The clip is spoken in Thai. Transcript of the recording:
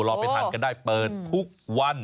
ไปทานกันได้เปิดทุกวัน